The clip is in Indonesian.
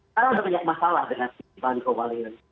karena ada banyak masalah dengan baliho baliho ini